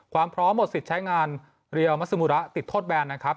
ความพร้อมหมดสิทธิ์ใช้งานเรียลมัสมุระติดโทษแบนนะครับ